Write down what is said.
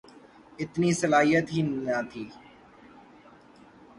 اتنی صلاحیت ہی نہ تھی۔